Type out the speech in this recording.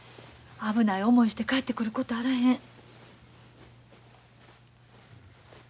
危ない思いして帰ってくることあらへん。